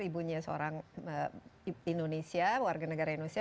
ibunya seorang indonesia warga negara indonesia